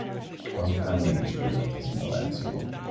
Azután mégis győzött az innováció!